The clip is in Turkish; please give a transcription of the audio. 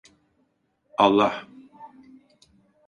Allah.